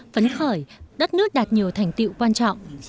phấn khởi đất nước đạt nhiều thành tiệu quan trọng